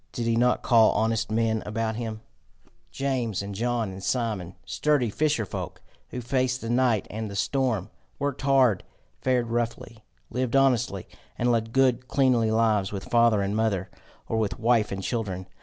Did he not call honest men about him James and John and Simon sturdy fisher folk, who faced the night and the storm, worked hard, fared roughly, lived honestly, and led good cleanly lives with father and mother, or with wife and children?